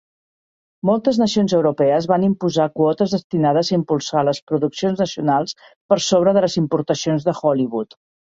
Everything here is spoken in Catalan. Moltes nacions europees van imposar quotes destinades a impulsar les produccions nacionals per sobre de les importacions de Hollywood.